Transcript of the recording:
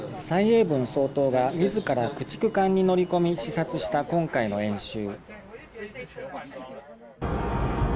蔡英文総統がみずから駆逐艦に乗り込み視察した今回の演習。